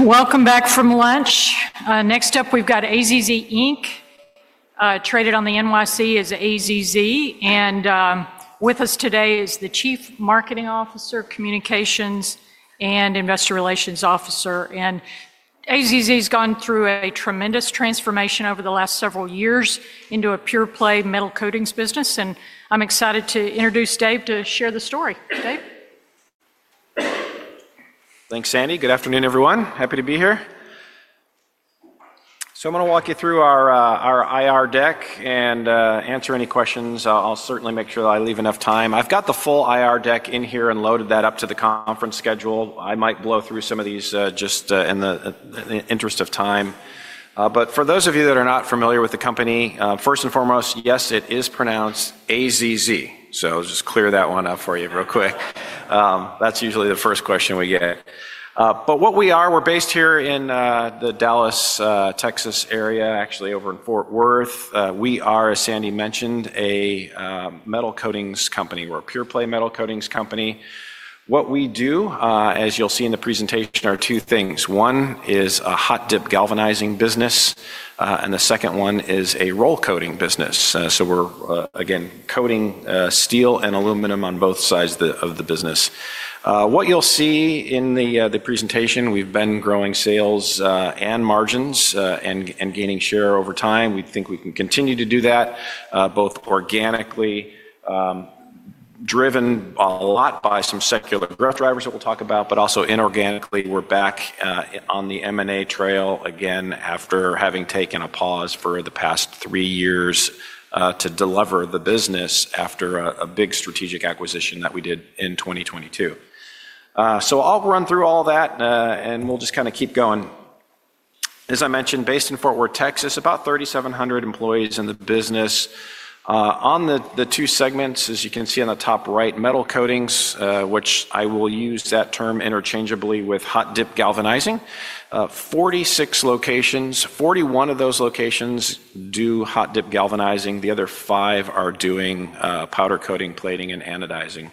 Welcome back from lunch. Next up, we've got AZZ Inc, traded on the NYSE as AZZ. With us today is the Chief Marketing Officer, Communications, and Investor Relations Officer. AZZ has gone through a tremendous transformation over the last several years into a pure-play metal coatings business. I'm excited to introduce Dave to share the story. Dave? Thanks, Sandy. Good afternoon, everyone. Happy to be here. I am going to walk you through our IR deck and answer any questions. I will certainly make sure that I leave enough time. I have got the full IR deck in here and loaded that up to the conference schedule. I might blow through some of these just in the interest of time. For those of you that are not familiar with the company, first and foremost, yes, it is pronounced AZZ. I will just clear that one up for you real quick. That is usually the first question we get. What we are, we are based here in the Dallas, Texas area, actually over in Fort Worth. We are, as Sandy mentioned, a metal coatings company. We are a pure-play metal coatings company. What we do, as you will see in the presentation, are two things. One is a hot-dip galvanizing business, and the second one is a roll coating business. We're, again, coating steel and aluminum on both sides of the business. What you'll see in the presentation, we've been growing sales and margins and gaining share over time. We think we can continue to do that both organically, driven a lot by some secular growth drivers that we'll talk about, but also inorganically. We're back on the M&A trail again after having taken a pause for the past three years to deliver the business after a big strategic acquisition that we did in 2022. I'll run through all that, and we'll just kind of keep going. As I mentioned, based in Fort Worth, Texas, about 3,700 employees in the business. On the two segments, as you can see on the top right, metal coatings, which I will use that term interchangeably with hot-dip galvanizing. Forty-six locations, forty-one of those locations do hot-dip galvanizing. The other five are doing powder coating, plating, and anodizing.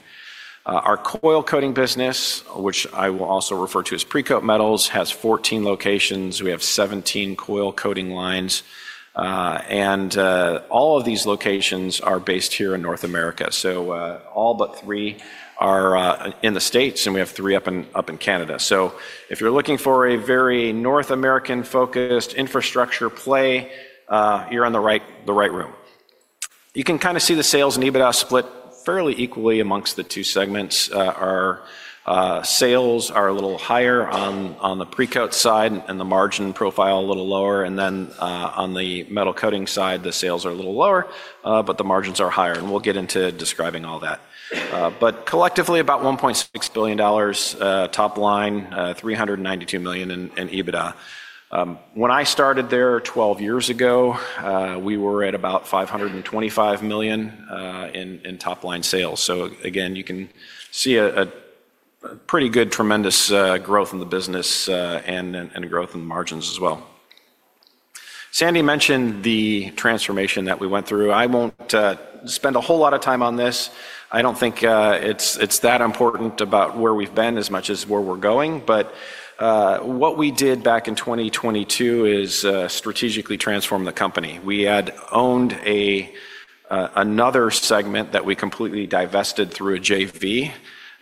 Our coil coating business, which I will also refer to as Precoat Metals, has fourteen locations. We have seventeen coil coating lines. All of these locations are based here in North America. All but three are in the States, and we have three up in Canada. If you're looking for a very North American-focused infrastructure play, you're in the right room. You can kind of see the sales and EBITDA split fairly equally amongst the two segments. Our sales are a little higher on the Precoat side and the margin profile a little lower. On the metal coating side, the sales are a little lower, but the margins are higher. We will get into describing all that. Collectively, about $1.6 billion top line, $392 million in EBITDA. When I started there 12 years ago, we were at about $525 million in top line sales. You can see a pretty good tremendous growth in the business and growth in the margins as well. Sandy mentioned the transformation that we went through. I will not spend a whole lot of time on this. I do not think it is that important about where we have been as much as where we are going. What we did back in 2022 is strategically transform the company. We had owned another segment that we completely divested through a JV.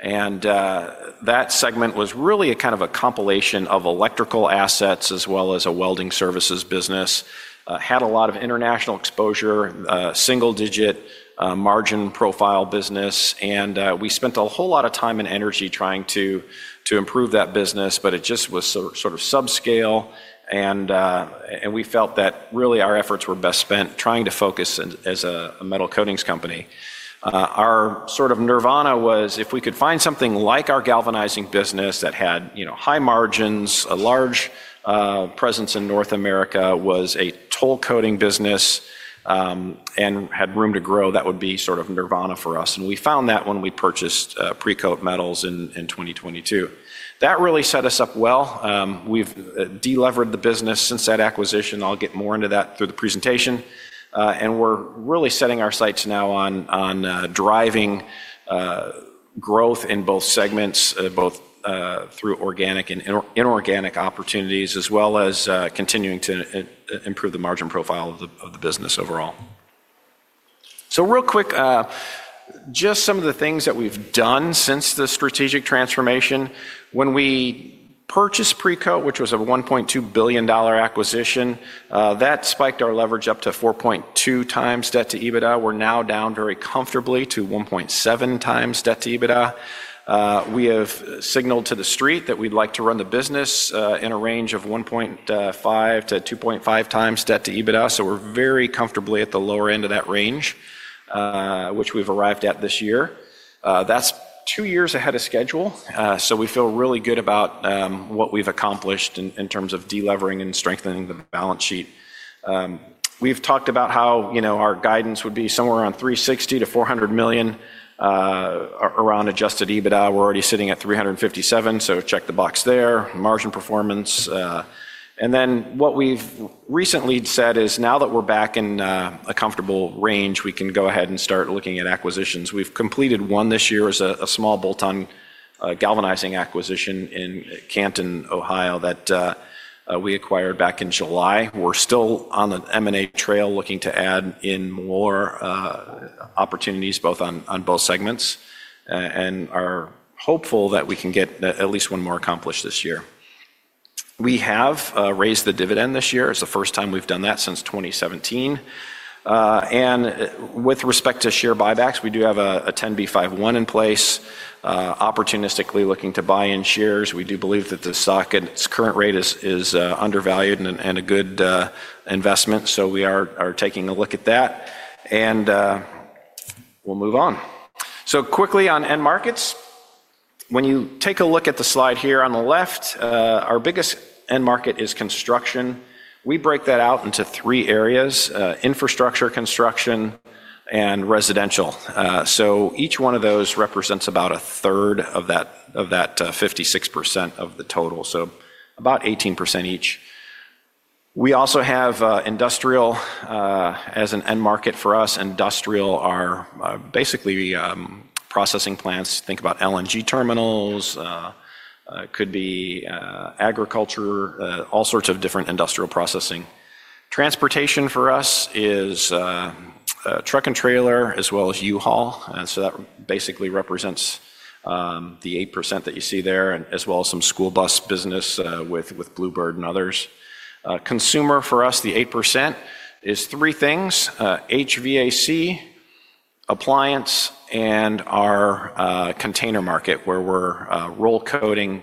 That segment was really a kind of a compilation of electrical assets as well as a welding services business. It had a lot of international exposure, single-digit margin profile business. We spent a whole lot of time and energy trying to improve that business, but it just was sort of subscale. We felt that really our efforts were best spent trying to focus as a metal coatings company. Our sort of nirvana was if we could find something like our galvanizing business that had high margins, a large presence in North America, was a toll coating business, and had room to grow, that would be sort of nirvana for us. We found that when we purchased Precoat Metals in 2022. That really set us up well. We have delivered the business since that acquisition. I will get more into that through the presentation. We are really setting our sights now on driving growth in both segments, both through organic and inorganic opportunities, as well as continuing to improve the margin profile of the business overall. Real quick, just some of the things that we have done since the strategic transformation. When we purchased Precoat, which was a $1.2 billion acquisition, that spiked our leverage up to 4.2 times debt to EBITDA. We are now down very comfortably to 1.7 times debt to EBITDA. We have signaled to the street that we would like to run the business in a range of 1.5-2.5 times debt to EBITDA. We are very comfortably at the lower end of that range, which we have arrived at this year. That is two years ahead of schedule. We feel really good about what we have accomplished in terms of delivering and strengthening the balance sheet. We've talked about how our guidance would be somewhere around $360 million-$400 million around adjusted EBITDA. We're already sitting at $357 million, so check the box there. Margin performance. What we've recently said is now that we're back in a comfortable range, we can go ahead and start looking at acquisitions. We've completed one this year as a small bolt-on galvanizing acquisition in Canton, Ohio, that we acquired back in July. We're still on the M&A trail looking to add in more opportunities both on both segments and are hopeful that we can get at least one more accomplished this year. We have raised the dividend this year. It's the first time we've done that since 2017. With respect to share buybacks, we do have a 10b5-1 in place, opportunistically looking to buy in shares. We do believe that the stock at its current rate is undervalued and a good investment. We are taking a look at that. We'll move on. Quickly on end markets. When you take a look at the slide here on the left, our biggest end market is construction. We break that out into three areas: infrastructure, construction, and residential. Each one of those represents about a third of that 56% of the total, so about 18% each. We also have industrial as an end market for us. Industrial are basically processing plants. Think about LNG terminals. It could be agriculture, all sorts of different industrial processing. Transportation for us is truck and trailer as well as U-Haul. That basically represents the 8% that you see there, as well as some school bus business with Blue Bird and others. Consumer for us, the 8%, is three things: HVAC, appliance, and our container market, where we're roll coating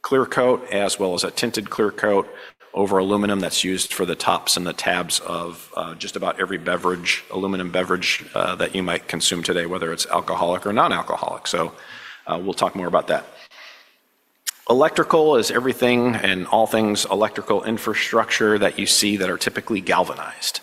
clear coat as well as a tinted clear coat over aluminum that's used for the tops and the tabs of just about every aluminum beverage that you might consume today, whether it's alcoholic or non-alcoholic. We'll talk more about that. Electrical is everything and all things electrical infrastructure that you see that are typically galvanized: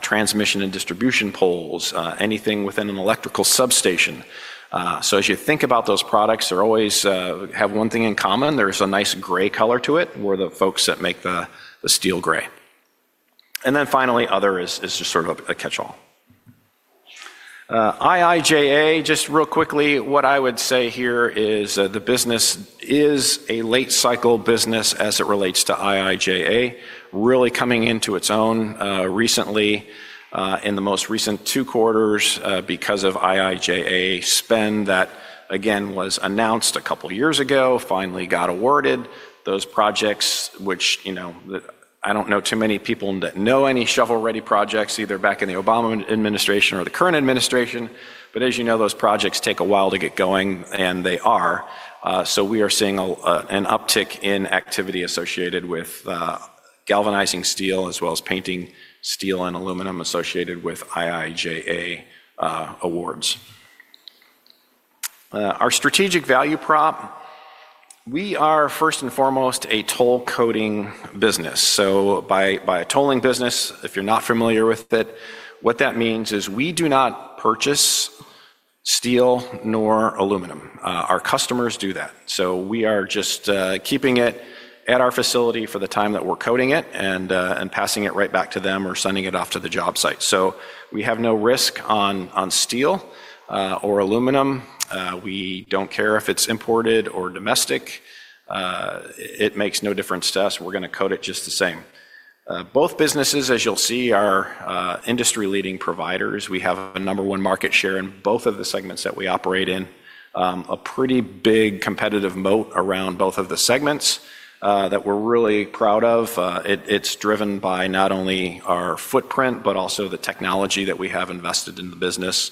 transmission and distribution poles, anything within an electrical substation. As you think about those products, they always have one thing in common. There's a nice gray color to it. We're the folks that make the steel gray. Finally, other is just sort of a catch-all. IIJA, just real quickly, what I would say here is the business is a late-cycle business as it relates to IIJA, really coming into its own recently in the most recent two quarters because of IIJA spend that, again, was announced a couple of years ago, finally got awarded. Those projects, which I do not know too many people that know any shovel-ready projects, either back in the Obama administration or the current administration. As you know, those projects take a while to get going, and they are. We are seeing an uptick in activity associated with galvanizing steel as well as painting steel and aluminum associated with IIJA awards. Our strategic value prop, we are first and foremost a toll coating business. By a tolling business, if you are not familiar with it, what that means is we do not purchase steel nor aluminum. Our customers do that. We are just keeping it at our facility for the time that we're coating it and passing it right back to them or sending it off to the job site. We have no risk on steel or aluminum. We do not care if it's imported or domestic. It makes no difference to us. We're going to coat it just the same. Both businesses, as you'll see, are industry-leading providers. We have a number one market share in both of the segments that we operate in, a pretty big competitive moat around both of the segments that we're really proud of. It's driven by not only our footprint, but also the technology that we have invested in the business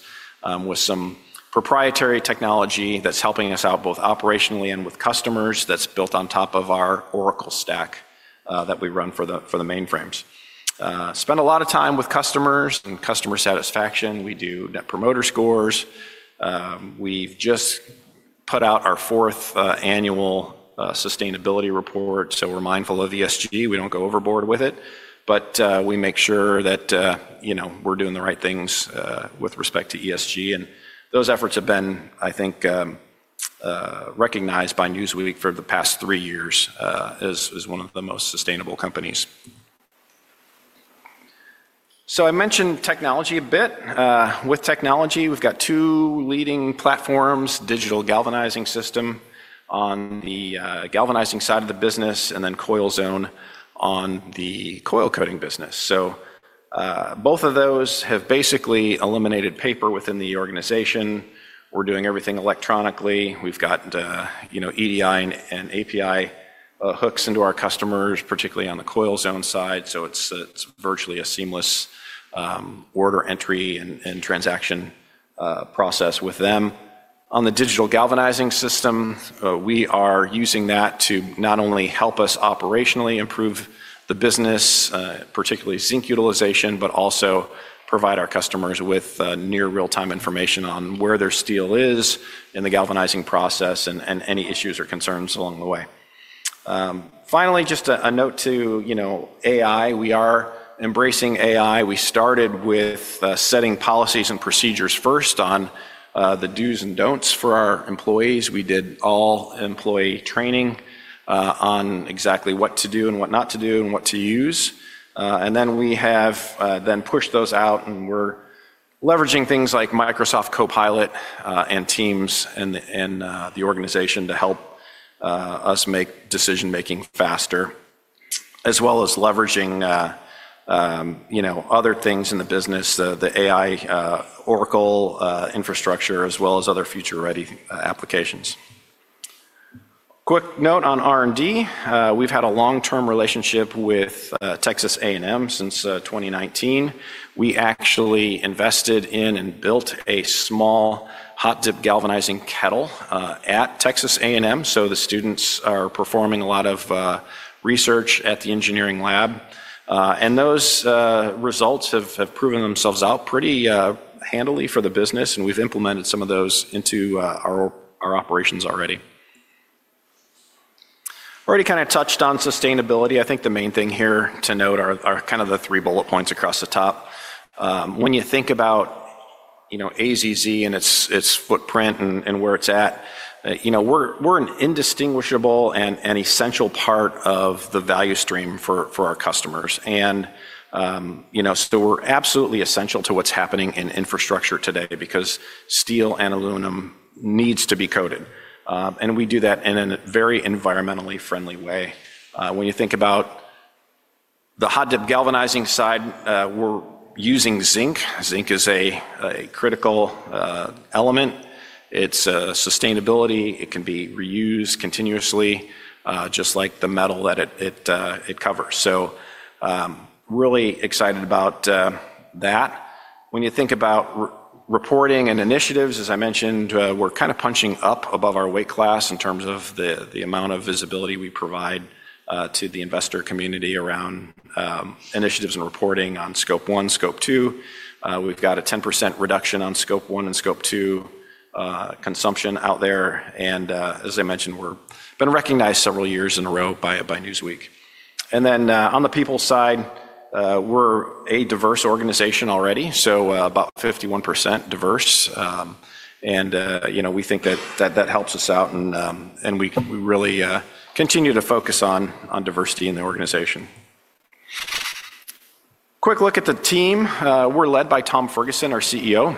with some proprietary technology that's helping us out both operationally and with customers that's built on top of our Oracle stack that we run for the mainframes. Spend a lot of time with customers and customer satisfaction. We do net promoter scores. We've just put out our fourth annual sustainability report. We are mindful of ESG. We do not go overboard with it. We make sure that we are doing the right things with respect to ESG. Those efforts have been, I think, recognized by Newsweek for the past three years as one of the most sustainable companies. I mentioned technology a bit. With technology, we have two leading platforms: Digital Galvanizing System on the galvanizing side of the business and then CoilZone on the coil coating business. Both of those have basically eliminated paper within the organization. We are doing everything electronically. We have EDI and API hooks into our customers, particularly on the CoilZone side. It is virtually a seamless order entry and transaction process with them. On the Digital Galvanizing System, we are using that to not only help us operationally improve the business, particularly zinc utilization, but also provide our customers with near real-time information on where their steel is in the galvanizing process and any issues or concerns along the way. Finally, just a note to AI. We are embracing AI. We started with setting policies and procedures first on the do's and don'ts for our employees. We did all-employee training on exactly what to do and what not to do and what to use. We have then pushed those out, and we're leveraging things like Microsoft Copilot and Teams in the organization to help us make decision-making faster, as well as leveraging other things in the business, the AI Oracle infrastructure, as well as other future-ready applications. Quick note on R&D. We've had a long-term relationship with Texas A&M since 2019. We actually invested in and built a small hot-dip galvanizing kettle at Texas A&M. The students are performing a lot of research at the engineering lab. Those results have proven themselves out pretty handily for the business. We have implemented some of those into our operations already. We have already kind of touched on sustainability. I think the main thing here to note are kind of the three bullet points across the top. When you think about AZZ and its footprint and where it is at, we are an indistinguishable and essential part of the value stream for our customers. We are absolutely essential to what is happening in infrastructure today because steel and aluminum need to be coated. We do that in a very environmentally friendly way. When you think about the hot-dip galvanizing side, we are using zinc. Zinc is a critical element. It is sustainability. It can be reused continuously, just like the metal that it covers. Really excited about that. When you think about reporting and initiatives, as I mentioned, we're kind of punching up above our weight class in terms of the amount of visibility we provide to the investor community around initiatives and reporting on scope one, scope two. We've got a 10% reduction on scope one and scope two consumption out there. As I mentioned, we've been recognized several years in a row by Newsweek. On the people side, we're a diverse organization already, so about 51% diverse. We think that that helps us out. We really continue to focus on diversity in the organization. Quick look at the team. We're led by Tom Ferguson, our CEO.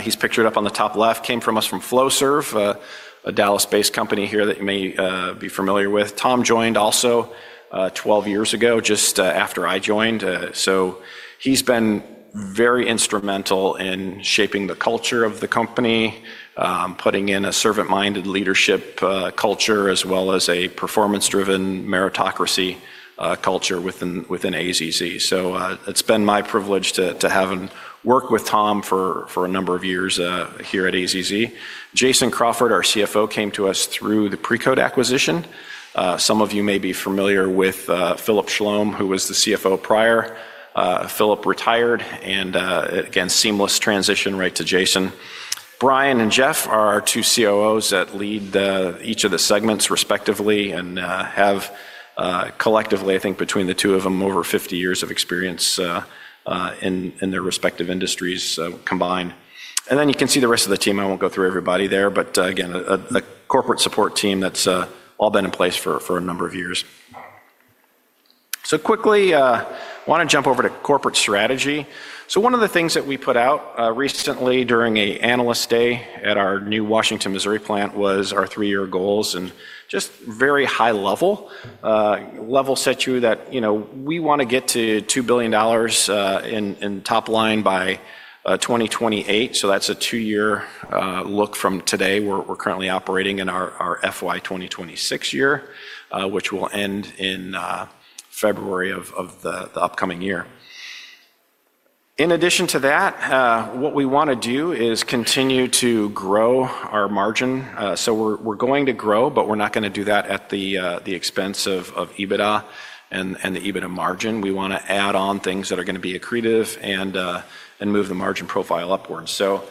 He's pictured up on the top left. Came from us from Flowserve, a Dallas-based company here that you may be familiar with. Tom joined also 12 years ago, just after I joined. He's been very instrumental in shaping the culture of the company, putting in a servant-minded leadership culture, as well as a performance-driven meritocracy culture within AZZ. It's been my privilege to have worked with Tom for a number of years here at AZZ. Jason Crawford, our CFO, came to us through the Precoat acquisition. Some of you may be familiar with Philip Schlom, who was the CFO prior. Philip retired, and again, seamless transition right to Jason. Brian and Jeff are our two COOs that lead each of the segments respectively and have collectively, I think, between the two of them, over 50 years of experience in their respective industries combined. You can see the rest of the team. I won't go through everybody there. Again, a corporate support team that's all been in place for a number of years. Quickly, I want to jump over to corporate strategy. One of the things that we put out recently during an analyst day at our new Washington, Missouri plant was our three-year goals. Just very high level, we want to get to $2 billion in top line by 2028. That's a two-year look from today. We're currently operating in our FY 2026 year, which will end in February of the upcoming year. In addition to that, what we want to do is continue to grow our margin. We're going to grow, but we're not going to do that at the expense of EBITDA and the EBITDA margin. We want to add on things that are going to be accretive and move the margin profile upwards. That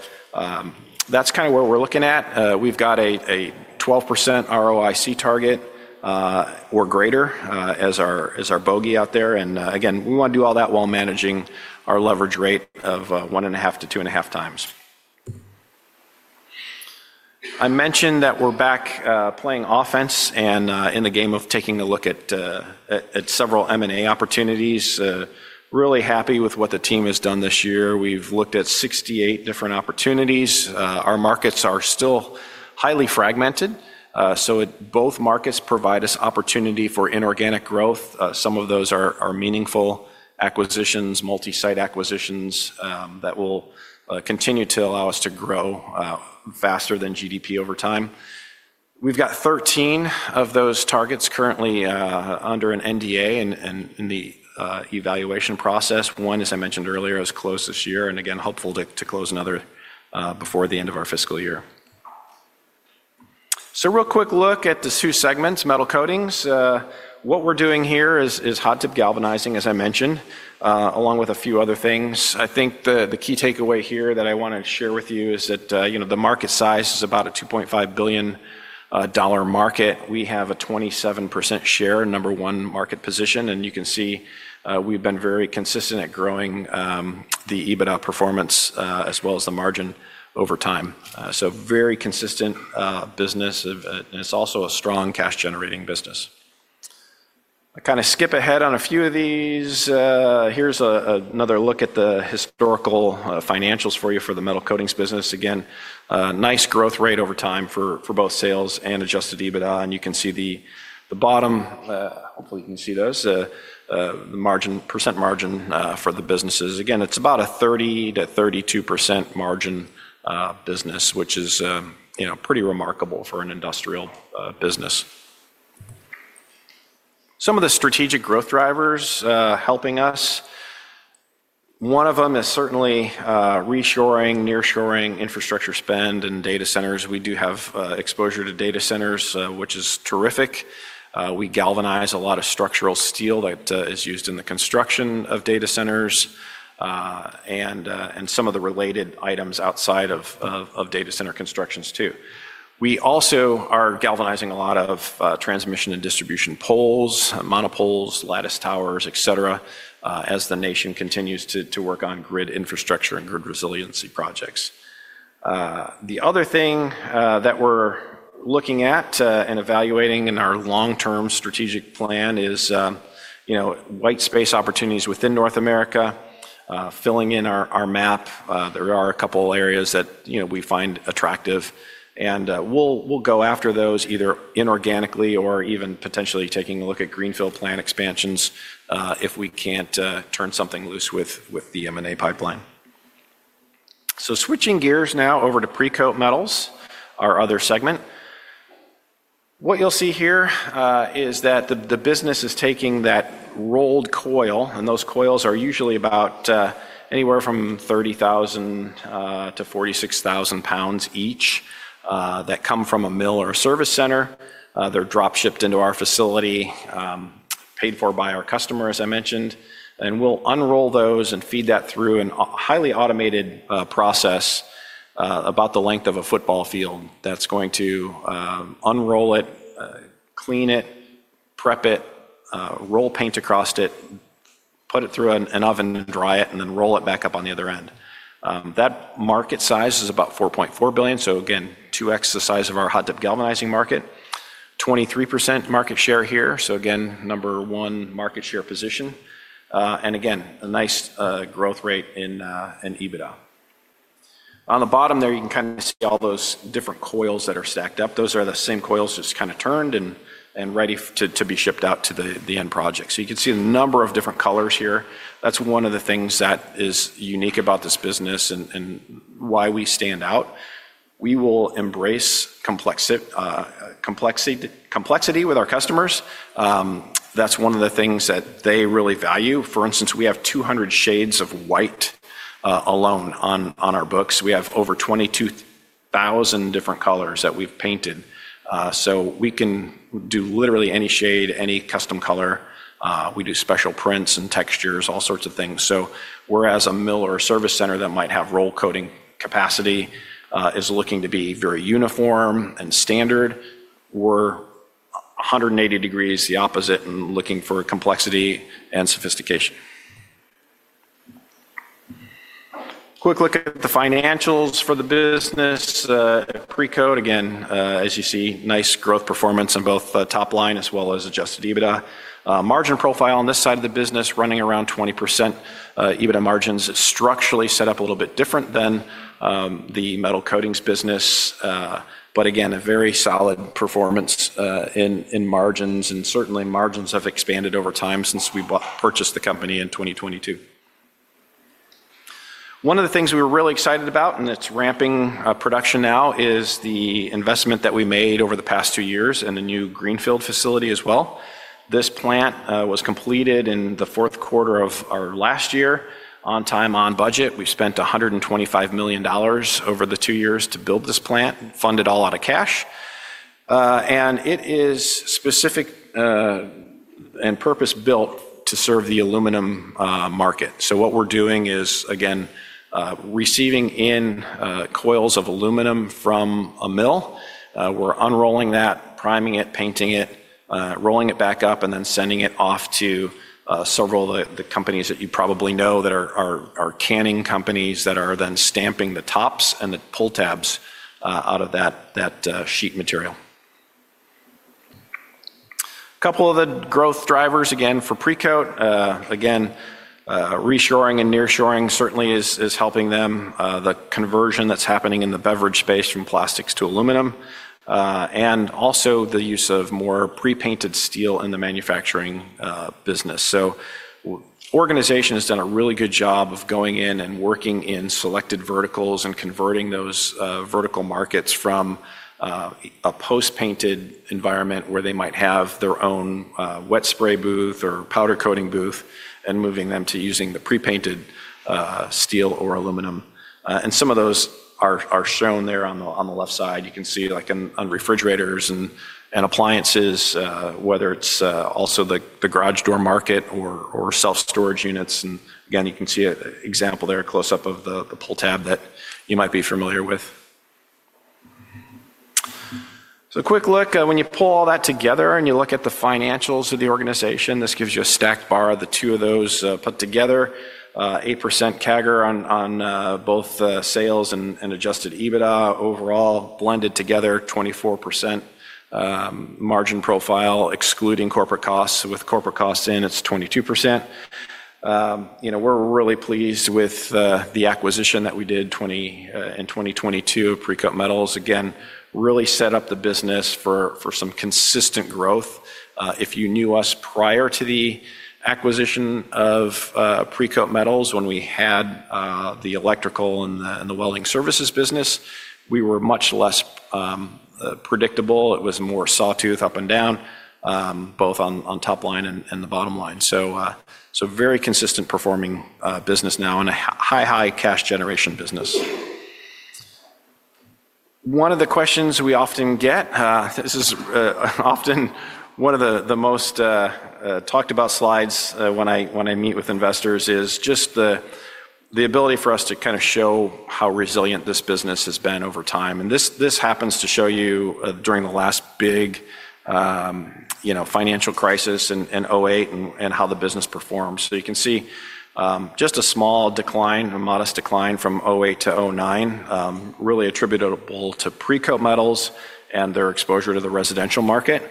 is kind of what we are looking at. We have got a 12% ROIC target or greater as our bogey out there. Again, we want to do all that while managing our leverage rate of 1.5-2.5 times. I mentioned that we are back playing offense and in the game of taking a look at several M&A opportunities. Really happy with what the team has done this year. We have looked at 68 different opportunities. Our markets are still highly fragmented. Both markets provide us opportunity for inorganic growth. Some of those are meaningful acquisitions, multi-site acquisitions that will continue to allow us to grow faster than GDP over time. We have got 13 of those targets currently under an NDA and in the evaluation process. One, as I mentioned earlier, is closed this year. Again, hopeful to close another before the end of our fiscal year. Real quick look at the two segments, metal coatings. What we're doing here is hot-dip galvanizing, as I mentioned, along with a few other things. I think the key takeaway here that I want to share with you is that the market size is about a $2.5 billion market. We have a 27% share, number one market position. You can see we've been very consistent at growing the EBITDA performance as well as the margin over time. Very consistent business. It's also a strong cash-generating business. I kind of skip ahead on a few of these. Here's another look at the historical financials for you for the metal coatings business. Again, nice growth rate over time for both sales and adjusted EBITDA. You can see the bottom, hopefully you can see those, the % margin for the businesses. Again, it's about a 30-32% margin business, which is pretty remarkable for an industrial business. Some of the strategic growth drivers helping us. One of them is certainly reshoring, nearshoring, infrastructure spend, and data centers. We do have exposure to data centers, which is terrific. We galvanize a lot of structural steel that is used in the construction of data centers and some of the related items outside of data center constructions too. We also are galvanizing a lot of transmission and distribution poles, monopoles, lattice towers, etc., as the nation continues to work on grid infrastructure and grid resiliency projects. The other thing that we're looking at and evaluating in our long-term strategic plan is white space opportunities within North America, filling in our map. There are a couple of areas that we find attractive. We'll go after those either inorganically or even potentially taking a look at greenfield plant expansions if we can't turn something loose with the M&A pipeline. Switching gears now over to Precoat Metals, our other segment. What you'll see here is that the business is taking that rolled coil. Those coils are usually about anywhere from 30,000-46,000 lbs each that come from a mill or a service center. They're drop-shipped into our facility, paid for by our customer, as I mentioned. We'll unroll those and feed that through a highly automated process about the length of a football field. That's going to unroll it, clean it, prep it, roll paint across it, put it through an oven and dry it, and then roll it back up on the other end. That market size is about $4.4 billion. Again, 2X the size of our hot-dip galvanizing market, 23% market share here. Again, number one market share position. Again, a nice growth rate in EBITDA. On the bottom there, you can kind of see all those different coils that are stacked up. Those are the same coils just kind of turned and ready to be shipped out to the end project. You can see the number of different colors here. That's one of the things that is unique about this business and why we stand out. We will embrace complexity with our customers. That's one of the things that they really value. For instance, we have 200 shades of white alone on our books. We have over 22,000 different colors that we've painted. We can do literally any shade, any custom color. We do special prints and textures, all sorts of things. Whereas a mill or a service center that might have roll coating capacity is looking to be very uniform and standard, we're 180 degrees the opposite and looking for complexity and sophistication. Quick look at the financials for the business. Precoat, again, as you see, nice growth performance in both top line as well as adjusted EBITDA. Margin profile on this side of the business running around 20% EBITDA margins. It's structurally set up a little bit different than the metal coatings business. Again, a very solid performance in margins. Certainly, margins have expanded over time since we purchased the company in 2022. One of the things we were really excited about, and it's ramping production now, is the investment that we made over the past two years in the new greenfield facility as well. This plant was completed in the fourth quarter of our last year on time, on budget. We've spent $125 million over the two years to build this plant, funded all out of cash. It is specific and purpose-built to serve the aluminum market. What we're doing is, again, receiving in coils of aluminum from a mill. We're unrolling that, priming it, painting it, rolling it back up, and then sending it off to several of the companies that you probably know that are canning companies that are then stamping the tops and the pull tabs out of that sheet material. A couple of the growth drivers, again, for Precoat. Again, reshoring and nearshoring certainly is helping them. The conversion that's happening in the beverage space from plastics to aluminum. Also the use of more pre-painted steel in the manufacturing business. The organization has done a really good job of going in and working in selected verticals and converting those vertical markets from a post-painted environment where they might have their own wet spray booth or powder coating booth and moving them to using the pre-painted steel or aluminum. Some of those are shown there on the left side. You can see on refrigerators and appliances, whether it's also the garage door market or self-storage units. Again, you can see an example there, a close-up of the pull tab that you might be familiar with. Quick look. When you pull all that together and you look at the financials of the organization, this gives you a stacked bar. The two of those put together, 8% CAGR on both sales and adjusted EBITDA overall, blended together, 24% margin profile, excluding corporate costs. With corporate costs in, it's 22%. We're really pleased with the acquisition that we did in 2022. Precoat Metals, again, really set up the business for some consistent growth. If you knew us prior to the acquisition of Precoat Metals, when we had the electrical and the welding services business, we were much less predictable. It was more sawtooth up and down, both on top line and the bottom line. Very consistent performing business now and a high, high cash generation business. One of the questions we often get, this is often one of the most talked about slides when I meet with investors, is just the ability for us to kind of show how resilient this business has been over time. This happens to show you during the last big financial crisis in 2008 and how the business performed. You can see just a small decline, a modest decline from 2008 to 2009, really attributable to Precoat Metals and their exposure to the residential market,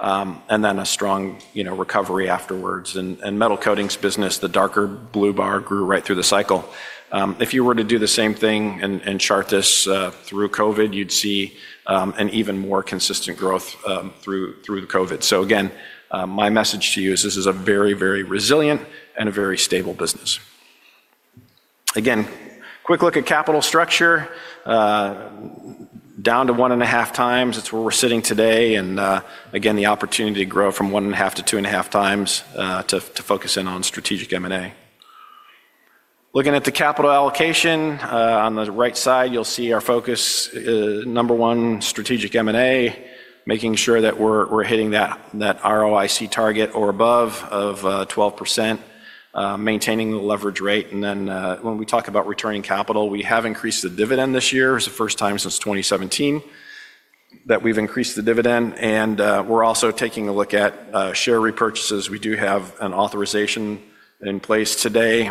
and then a strong recovery afterwards. The metal coatings business, the darker blue bar, grew right through the cycle. If you were to do the same thing and chart this through COVID, you'd see an even more consistent growth through COVID. My message to you is this is a very, very resilient and a very stable business. Quick look at capital structure. Down to one and a half times. It's where we're sitting today. The opportunity to grow from one and a half to two and a half times to focus in on strategic M&A. Looking at the capital allocation, on the right side, you'll see our focus, number one, strategic M&A, making sure that we're hitting that ROIC target or above of 12%, maintaining the leverage rate. When we talk about returning capital, we have increased the dividend this year. It's the first time since 2017 that we've increased the dividend. We're also taking a look at share repurchases. We do have an authorization in place today.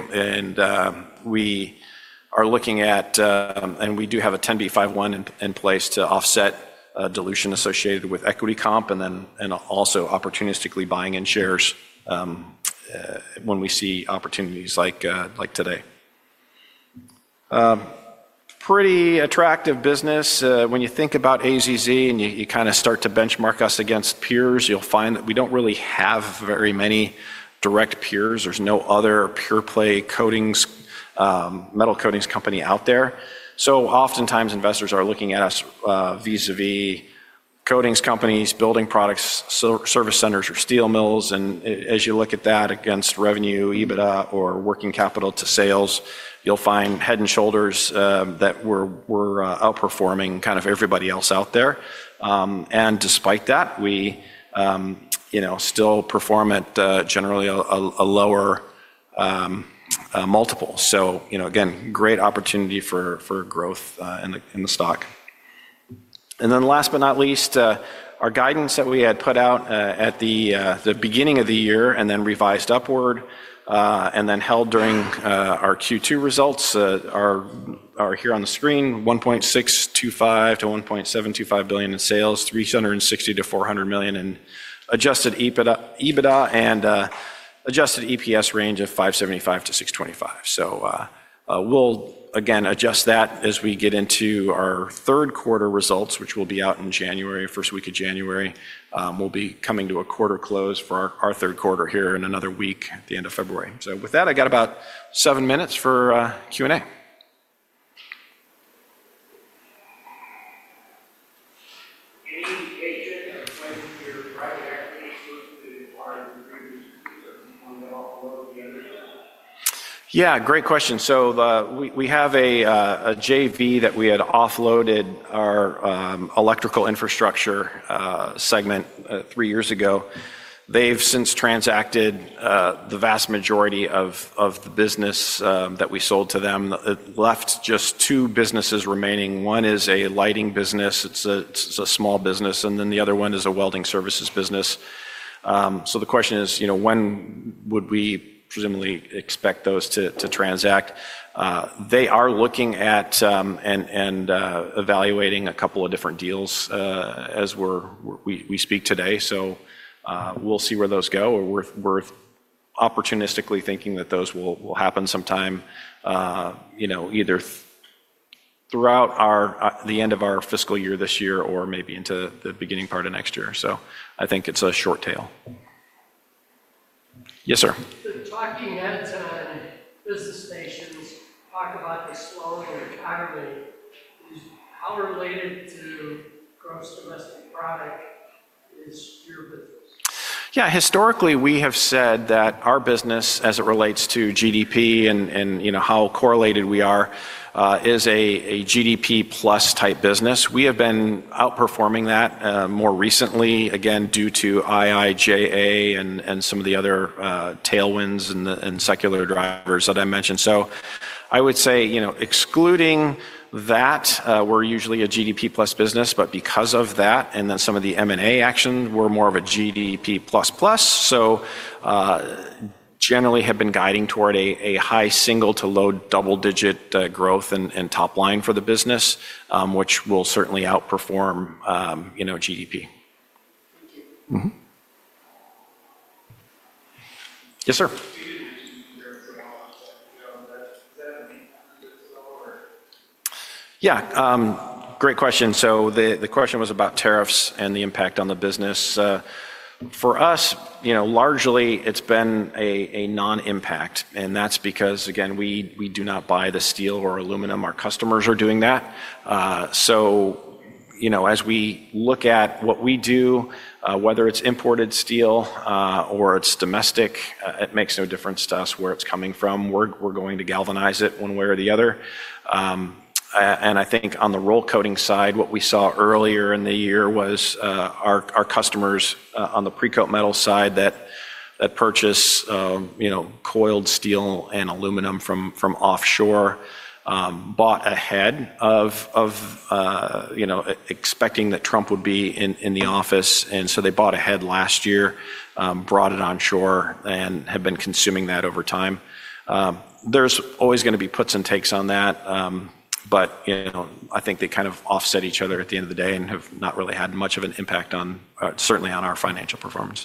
We are looking at, and we do have a 10b5-1 in place to offset dilution associated with equity comp and also opportunistically buying in shares when we see opportunities like today. Pretty attractive business. When you think about AZZ and you kind of start to benchmark us against peers, you'll find that we don't really have very many direct peers. There's no other pure play metal coatings company out there. Oftentimes, investors are looking at us vis-à-vis coatings companies, building products, service centers, or steel mills. As you look at that against revenue, EBITDA, or working capital to sales, you'll find head and shoulders that we're outperforming kind of everybody else out there. Despite that, we still perform at generally a lower multiple. Again, great opportunity for growth in the stock. Last but not least, our guidance that we had put out at the beginning of the year and then revised upward and then held during our Q2 results are here on the screen, $1.625 billion-$1.725 billion in sales, $360 million-$400 million in adjusted EBITDA, and adjusted EPS range of $5.75-$6.25. We'll again adjust that as we get into our third quarter results, which will be out in January, first week of January. We'll be coming to a quarter close for our third quarter here in another week at the end of February. With that, I got about seven minutes for Q&A. Yeah, great question. We have a JV that we had offloaded our electrical infrastructure segment three years ago. They've since transacted the vast majority of the business that we sold to them. It left just two businesses remaining. One is a lighting business. It's a small business. The other one is a welding services business. The question is, when would we presumably expect those to transact? They are looking at and evaluating a couple of different deals as we speak today. We'll see where those go. We're opportunistically thinking that those will happen sometime, either throughout the end of our fiscal year this year or maybe into the beginning part of next year. I think it's a short tail. Yes, sir. Talking at business stations, talk about the slowing of the economy. How related to gross domestic product is your business? Yeah. Historically, we have said that our business, as it relates to GDP and how correlated we are, is a GDP plus type business. We have been outperforming that more recently, again, due to IIJA and some of the other tailwinds and secular drivers that I mentioned. I would say, excluding that, we're usually a GDP plus business. Because of that and then some of the M&A action, we're more of a GDP plus plus. Generally have been guiding toward a high single to low double digit growth in top line for the business, which will certainly out-perform GDP. Thank you. Yes, sir. Is that a 100% or? Yeah. Great question. The question was about tariffs and the impact on the business. For us, largely, it has been a non-impact. That is because, again, we do not buy the steel or aluminum. Our customers are doing that. As we look at what we do, whether it is imported steel or it is domestic, it makes no difference to us where it is coming from. We are going to galvanize it one way or the other. I think on the roll coating side, what we saw earlier in the year was our customers on the Precoat Metals side that purchase coiled steel and aluminum from offshore bought ahead of expecting that Trump would be in the office. They bought ahead last year, brought it on shore, and have been consuming that over time. There are always going to be puts and takes on that. I think they kind of offset each other at the end of the day and have not really had much of an impact on, certainly, on our financial performance.